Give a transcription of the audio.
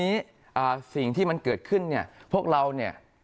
สิ่งที่มันเกิดขึ้นเนี่ยพวกเราเนี่ย